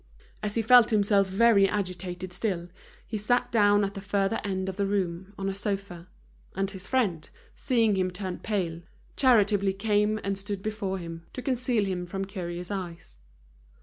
As he felt himself very agitated still, he sat down at the further end of the room, on a sofa; and his friend, seeing him turn pale, charitably came and stood before him, to conceal him from curious eyes.